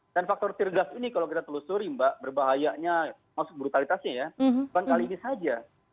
dan faktor tirgas ini kalau kita telusuri mbak berbahayanya maksud brutalitasnya ya bukan kali ini saja